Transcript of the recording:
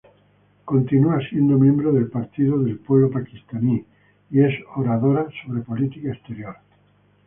Continúa siendo miembro del Partido del Pueblo Pakistaní y es oradora sobre política exterior.